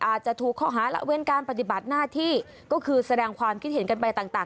อาจจะถูกข้อหาละเว้นการปฏิบัติหน้าที่ก็คือแสดงความคิดเห็นกันไปต่าง